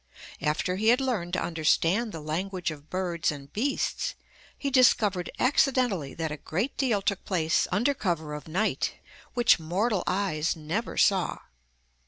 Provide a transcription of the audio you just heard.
After he had learned to understand the language of birds and beasts, he discovered accidentally that a great deal took place under cover of night which mortal eyes never saw.